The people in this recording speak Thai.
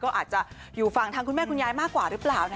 ก็อาจจะอยู่ฝั่งทางคุณแม่คุณยายมากกว่าหรือเปล่า